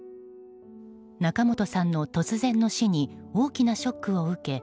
仲本さんの突然の死に大きなショックを受け